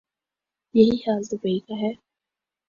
یہی حال دوبئی کا ہے۔